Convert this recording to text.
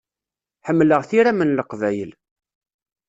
Ḥemmleɣ tiram n Leqbayel.